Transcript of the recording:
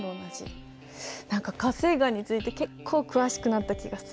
何か火成岩について結構詳しくなった気がする。